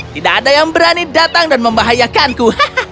tidak ada yang berani datang dan membahayakanku